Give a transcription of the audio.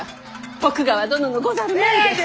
徳川殿のござる前で。